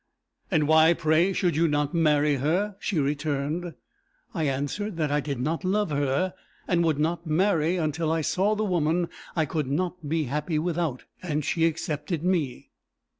'And why, pray, should you not marry her?' she returned. I answered that I did not love her, and would not marry until I saw the woman I could not be happy without, and she accepted me.